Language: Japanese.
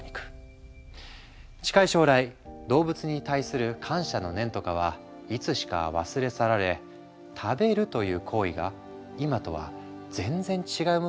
近い将来動物に対する感謝の念とかはいつしか忘れ去られ食べるという行為が今とは全然違うものになるのかもしれないね。